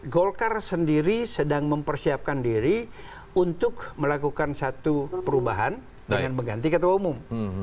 golkar sendiri sedang mempersiapkan diri untuk melakukan satu perubahan dengan mengganti ketua umum